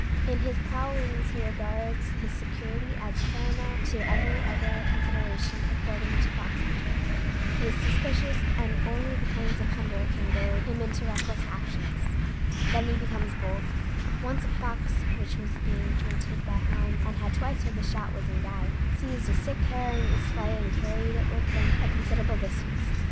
In his prowlings he regards his security as paramount to every other consideration, according to fox hunters. He is suspicious, and only the pangs of hunger can goad him into reckless actions. Then he becomes bold. Once a fox, which was being hunted by hounds and had twice heard the shot whizzing by, seized a sick hare in his flight and carried it with him a considerable distance.